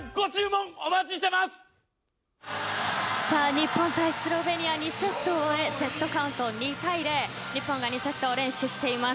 日本対スロベニア２セットを終えセットカウント２−０日本が２セットを連取しています。